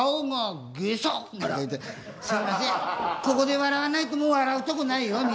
ここで笑わないともう笑うとこないよ